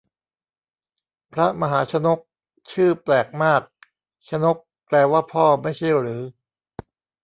พระมหาชนก ชื่อแปลกมาก ชนกแปลว่าพ่อไม่ใช่หรือ